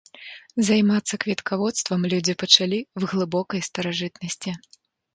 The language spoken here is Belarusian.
Займацца кветкаводствам людзі пачалі в глыбокай старажытнасці.